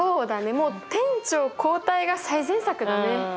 もう店長交代が最善策だね。